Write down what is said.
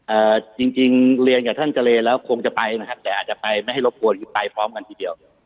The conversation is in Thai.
จริงจริงเรียนกับท่านเจรแล้วคงจะไปนะครับแต่อาจจะไปไม่ให้รบกวนหรือไปพร้อมกันทีเดียว